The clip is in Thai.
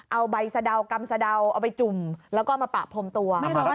เอาใบสะเดากำสะเดาเอาไปจุ่มแล้วก็มาปะพรมตัว